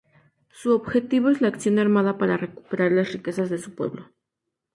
Su objetivo es la acción armada para recuperar las riquezas de su pueblo.